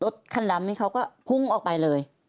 รถคันดำนี่เขาก็พุ่งออกไปเลย